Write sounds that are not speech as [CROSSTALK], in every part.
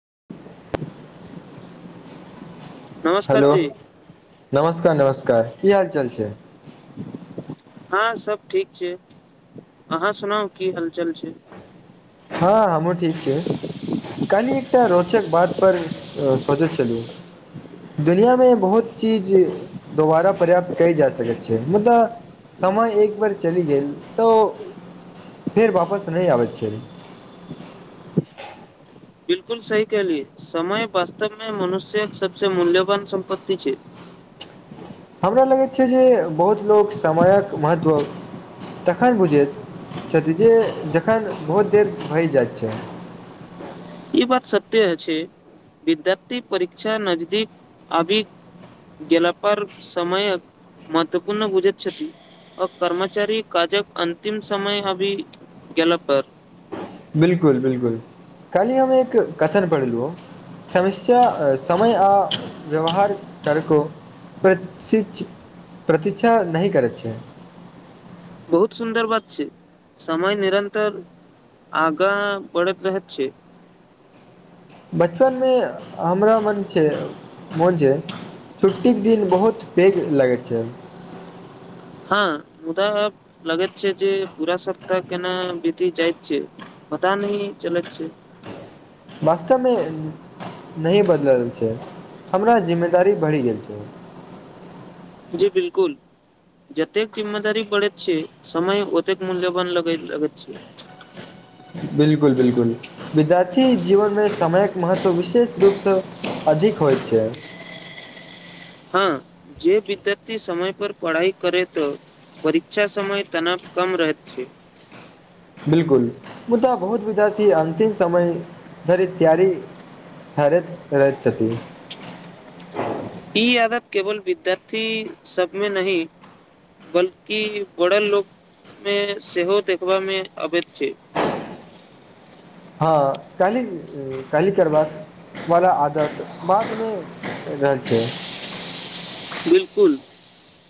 [INAUDIBLE] Hello जी नमस्कार -नमस्कार की हाल चाल छैय। हँ सब ठीक छैय अहाँ सुनाउ की हलचल छैय। हँ हमूँ ठीक छियै। काल्हि एकटा रोचक बात पर सोचैत छलहु दुनियामे बहुत चीज दोबारा पर्याप्त कल जा सकैत छैय मुदा समय एक बेर चलि गेल तऽ फेर वापस नहि आबैत छैय। [INAUDIBLE] बिलकुल सही कलियए समय वास्तव मे मनुष्य सबस मूल्यवान सम्पत्तति छैय। हमरा लगैत छैय जे बहुत लोक समयक महत्व तखन बुझैत छथिन जे जखन बहुत देर भहि जाइत छैय। ई बात सत्य छैय विद्यार्थी परीक्षा नजदीक आबि गेल पर समयक महत्वपूर्ण बूझैत छथि आ कर्मचारी काजक अन्तिम समय आबि गेला पर। बिलकुल- बिलकुल। काल्हिी हम एक कथन पढ़लहुँ समस्या समय आ व्यवहार करको प्रशिक्ष प्रतीक्षा नहि करैत छियै। बहुत सुन्दर बात छै समय निरन्तर आगाँ बढ़ैत रहैत छै। बचपन मे हमरा मने। छैय। मोन छै, छुट्टीक के दिन बहुत पैघ लागैत छैय। हँ मुदा लगे छै, जे पूरा सप्ताह केना भीती जाइत छैय, बताा न चलैत छैय। वास्तवमे नहि बदलल छैय, हमरा जिम्मेदारी बढ़ि गेल छैय। जी बिलकुल जतेक जिम्मेदारी पड़ैत छैय, समय ओतेक मूल्यवान लगैत छैय। बिलकुल- बिलकुल मिजाज। की जीवन मे समयक महत्व विशेष रूपसँ अधिक होइत छैय। हँ जे विद्यार्थी समय पर पढ़ाइ करै त परीक्षा समय तनाव कम रहत छै। बिलकुल मुदा बहुत विजा अतिम समय धरी त्यरी ठरैत रहैत। ई आदत केवल विद्यार्थी सबमे नही बल्कि बड़ल लोक मे सेहो देखबा मे अबैध छैय। हँ कल्ही- कल्ही करबाक वाला आदत, बादमे रहल छैय। बिलकुल,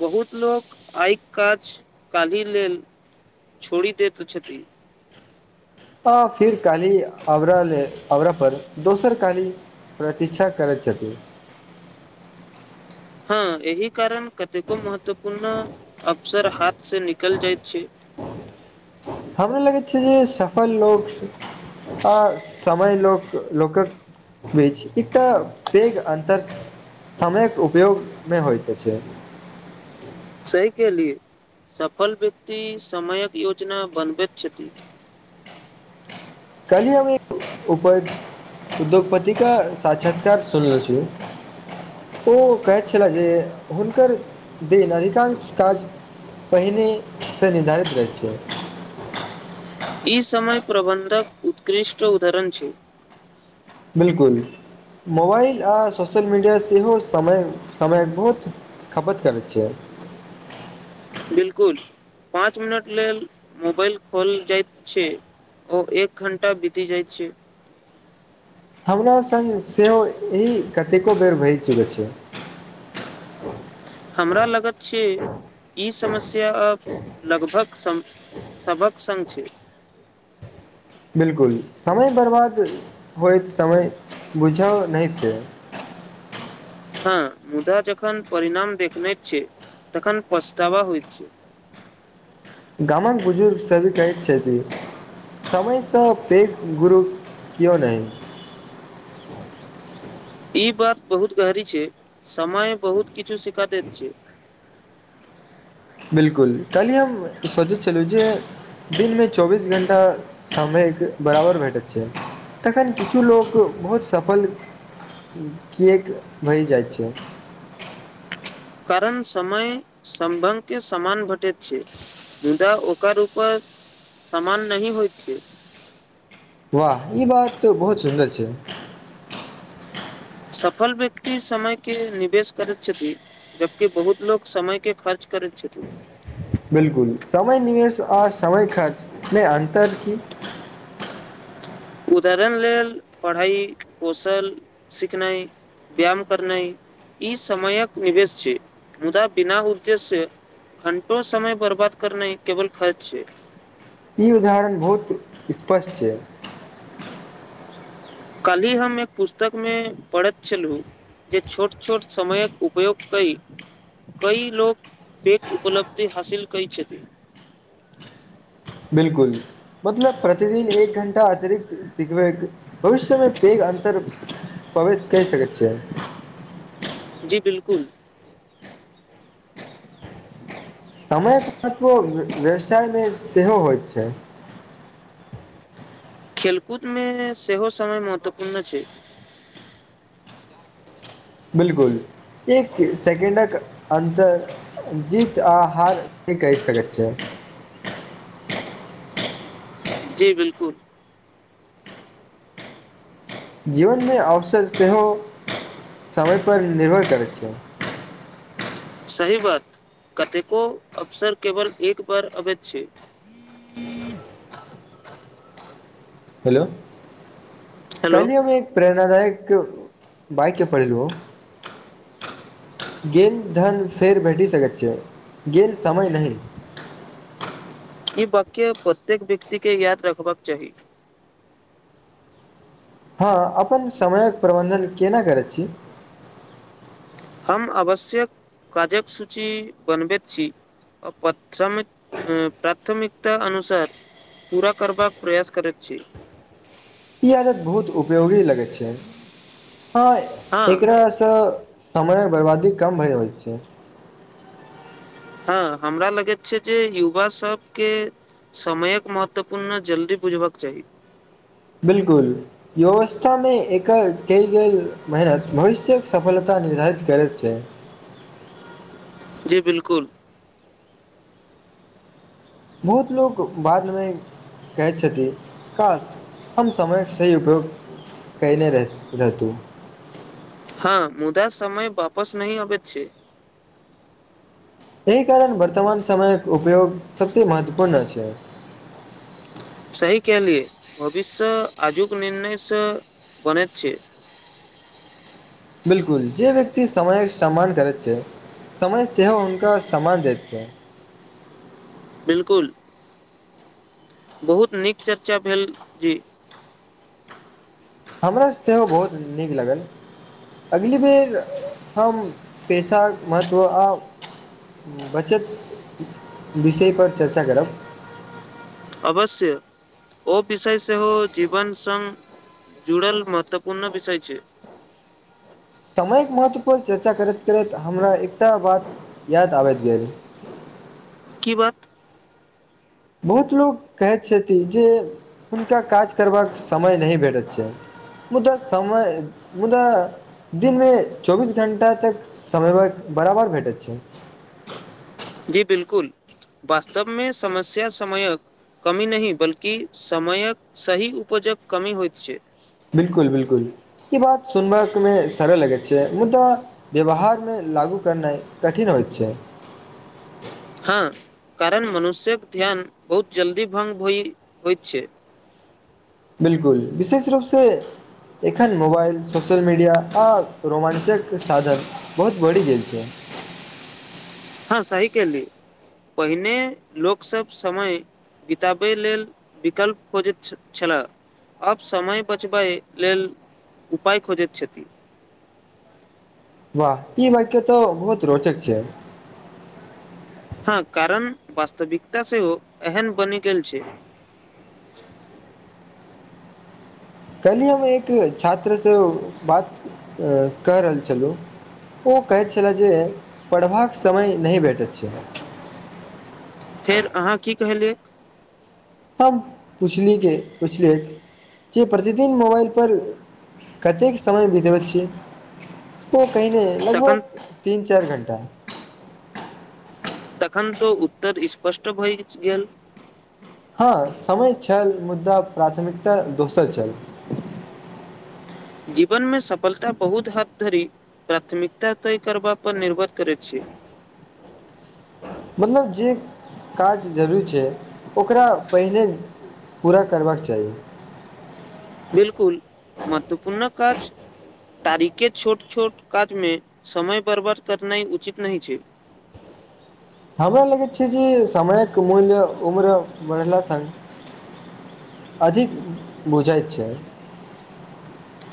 बहुत- लोक आइ काज, काल्हि लेल छोड़ि दैत छथिन। आ फिर काली आरा लेल, आबरा पर, दोसर काली प्रतीक्षा करैत छथि। हँ इही कारण! कतेको महत्वपूर्ण अवसर, हाथ से निकल जाइत छैय। हमरा लगे छैय जे सफल लोग! आ। समय लोक- लोकक बीच, एकटा पैघ अन्तर समयक उपयोगमे होइत छैय। सहि के लिए सफल व्यक्ति, समयक योजना बनबैत छथि। काल्हि हम एकप उद्योगपतिका साक्षात्कार सुनले छी, ओ कहैत छलह जे हुनकर दिन अधिकांश काज पहिनेसँ निर्धारित रहैत छै। ई समय प्रबन्धक उत्कृष्ट उदाहरण छैय। बिलकुल मोबाइल आ सोशल -मीडिया सेहो समय समय बहुत खपत करैत छैय। बिल्कुल पाँच मिनट लेल मोबाइल खोल जाइत छै, ओ एक घण्टा बीति जाइत छै। हमरा संग सेहो एहि कतेको बेर भरि चुकल छैय। हमरा लगत छै ई समस्य! या आब लगभग! सभक संग छैय। बिलकुल समय बर्बाद होइत, समय बुझा नहि छैय। हँ मुदा जखन परणाम देखने छैय, तन पसताावा होइ छैय। गामक बुजुर्ग सभी कहैत छथि, समयसँ पैघ गुरु केहुओ नहि। ई बात बहुत गहरी छैय। समय बहुत किछु शिखा दैत छै। बिलकुल काल्हि हम सोचैत छलहुँ, जे दिनमे चौबीस घण्टा समय बराबर भेटैत छै, तखन किछु लोक बहुत सफल किएक भहि जाइत छै। कारण समय समभग के समान घेटैत छै, मुदा ओकर उूपर समान नहि ही होइ छै। वाह, ई बात बहुत सुन्दर छैय। सफल व्यक्ति समय के निवेश करैत छथि, जबकि बहुत लोकोग समय के खर्च। कर छति। बिलकुल समय निवेश, आर समय खर्च, मे अन्तर की? उदरण लेल पढ़ाई कौशल सिखनाइ व्यायाम करनाइ ई समयक निवेश छै, मुदा बिना उद्देश्य घंटो समय बर्बाद करनाइ केवल खर्च छै। ई उदाहरण बहुत स्पष्ट छैय। काल्हि हम एक पुस्तकमे पढ़ैत छलहुँ, जे छोट- छोट समयक उपयोग कै, कई लोक प उपलब्धि हासिल कै छथि। बिलकुल मतलब प्रतिदिन एक घण्टा अतिरिक्त सिखबै भविष्यमे पैघ अन्तर पबैत कहि सकैत छियै। जी बिल्कुल समयक महत्व व्यवसाय मे सेहो होइत छैय। खेलकूद मे सेहो समय महत्वपूर्ण छैय। बिलकुल, एक सेकंडक अतर जीत आ हार कहि सकैत छैय। जी बिलकुल। जीवनमे अवसर सेहो, समयपर निर्भर करैत छैय। सही बात, कतेको अवसर केवल एकबार अबैत छैय। हू [INAUDIBLE] हेलो। हेलो कलियमे एक प्रे! नाायक बाइक पड़ल ओ। गेल धन फेर बैटी सकैत छियै, गेल समय नहि! ई वाक्य प्रत्येक व्यक्ति के याद रखबाक चाही। हँ अपन समयक प्रबन्धन केना करै छी? हम आवश्यक काजक सूची बनबैत छी, आ प्राथमिक- प्राथमिकता अनुसार पूरा करबाक प्रयास करैत छी। पियाज बहुत उपयोगी लगै छैय। हँ हँ एकरा स! समय बर्बादी कम भरि होइत छैय। हँ हमरा लगैत छै, जे युवा सभके समयक महत्वपूर्ण जल्दी बुझबाक चाही। बिलकुलयो आवस्थामे एकर कल गेल मेहनत भविष्य्यक सफलता निर्धारित करैत छैय। जी बिलकुल। बहुत लोक बादमे कहैत छथिन, काश हम समयके सही उपयोग कयने रह रहहितहु। हँ मुदा समय वापस नहिह आब छैय। एहि कारण वर्तमान समय उपयोग सबस महत्वपूर्ण छैय। सही कहलिए! भविष्य आजुक निर्णयसँ बनैत छैय। बिलकुल, जे व्यक्ति समयके सम्मान करैत छैये, समय सेहो हुनकर सम्मान दैत छैय। बिलकुल, बहुत नीक चर्चा भेल जी। हमरा सेहो बहुत नीक लागल, अगली बेर हम, पेशाक महत्व आ बचत विषयपर चर्चा करब। अवश्य, ओ विषय सेहो जीवन सङ्ग जुड़ल महत्वपूर्ण विषय छैय। अ महत्व! को चर्चा करैत करैत! हमरा एकटा बात याद आबैत गेल। की बात? बहुत लोक कहैत छथिन जे, हुनका काज करबाक समय नहि भेटैत छैय, मुदा समय मुदा दिनमे चौबीस घण्टा तक समयक बराबर भेटैत छैय। जी बिलकुल वास्तवमे समस्या समयक कमी नहि! बल्कि समयक सही उपजक कमी होइत छैय। बिलकुल -बिलकुल ई बात सुनब मे सरल लगैत छैय, मुदा व्यवहार मे लागू करनाइ कठिन होइत छैय। हँ कारण मनुष्यक ध्यान बहुत जल्दी भंग भ होइत छैय। बिलकुल, विशेष रूपसँ एखन! Mobile social media! आ रोमांचक साधन बहुत बढ़ि गेल छैय। हँ सही के ली, पहिने लोकसभ समय बिताबय लेल, विकल्प खोजैत छलए, आब समय बचबै लेल उपाय खोजैत छथि। वाह! ई वक्य त बहुत रोचक छैय। हँ कारण, वास्तविकता सेहो एहन बने! गेल छैय। [INAUDIBLE] कल्हिै हम एक छात्रसँ बात कऽ रहल छलहुँ, ओ कहैत छलय, जे पढ़बाक समय नहि भेटैत छै! फेर अहाँ की कहलियै? हम पुछली पुछलियै जे! प्रतिदिन मोबाइलपर कतेक समय बितबैत छियै, ओ! कहिने तखन लगभग तीन चार घण्टा। तखन तऽ उत्तर स्पष्ट। अष्ट भ गेल गेल। हँ समय छल मुदा प्राथमिकता दोसर छल। जीवनमे सफलता बहुत हद धरि, प्राथमिकता तय करबा पर निर्भर करैत छैय। मतलब जे काज जरूरी छै, ओकरा पहिने पूरा करबाक चाही। बिलकुल, महत्वपूर्ण! काज तारीखे छोट छोट काजमे समय बर्बाद करनाइ उचित नहि छै। हमरा लगैत छै जे समयक मूल्य उम्र बढ़ला स अधिक बुझाइत छै।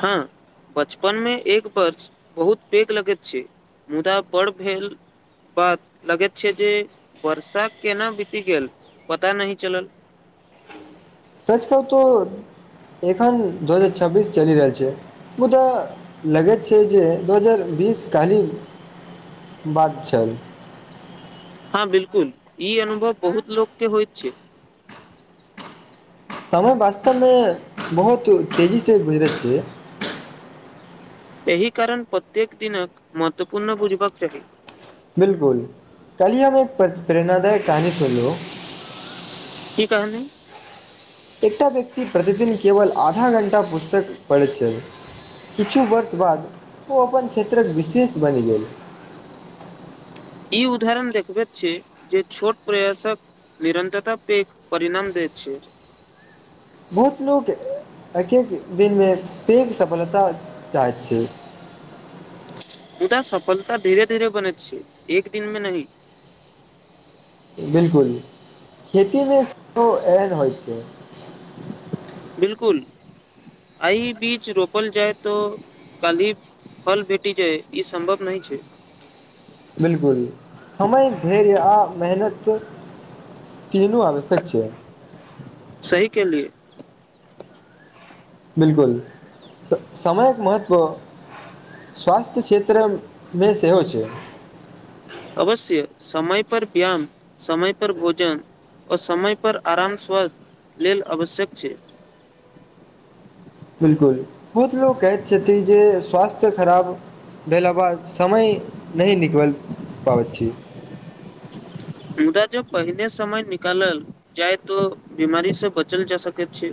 हँ बचपनमे एक वर्ष बहुत पैघ लगैत छै मुदा बड़ भेल बात लगैत छै जे वर्षा केना बीति गेल पता नहिही चलल। सच कहब तो एखन दू हजार छब्बीस चलि रहल छै मुदा लगैत छै जे दू हजार बीस कल्ही बात छल। हँ बिलकुल ई अनुभव बहुत लोकोक के होइ छैय। समय वास्तवमे बहुत तेजी से गुजरैत छैैय। एहि कारण प्रत्येक दिनकक महत्वपूर्ण बुझबाक चाही। बिलकुल कलहि हम एक प्रेरणाादायक कहानी सुनलो। की कहानि। कि प्रतिदिन केवल आधा घण्टा पुस्तक पढ़ैत छल किछु वर्ष बाद ओ अपन क्षेत्रक विशेष बनि गेल। ई उदाहरण देखबैत छै जे छोट प्रयासक निरन्तरता पैघ परिणाम दैत छैय। बहुत लोक एक एक दिनमे पैघ सफलता चाहैत छैय। मुदा सफलता धीरे धीरे बनैत छै एक दिन मे नही। बिलकुल खेतीमे सेहो एहन होइ छै। बिलकुल आइ बीच रोपल जाय त काली फल भेटी जाय ई सम्भव नहि छै। बिलकुल समय धैर्य आ मेहनत केन आश्यक छै। सही कहली या। बिलकुल समयक महत्व स्वास्थ्य क्षेत्रमे सेहो छै। अवश्य समय पर व्यायाम समय पर भोजन आ समय पर आराम स्वास्थ्य लेल आवश्यक छैय। बिलकुल बहुत लोक कहैत छथिन जे स्वास्थ्य खराब भेला बाद समय नहि निकलल पाबैत छी। मुदा जब पहिने समय निकालल जाय तो बीमारी से बचल जा सकैत छै।